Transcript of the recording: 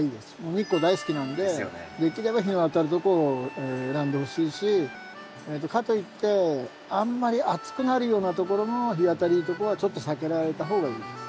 日光大好きなんでできれば日の当たるとこを選んでほしいしかといってあんまり暑くなるようなところの日当たりとかはちょっと避けられた方がいいです。